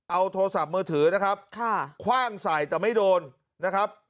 เอาโทรศัพท์มือถือนะครับคว่างใส่แต่ไม่โดนนะครับ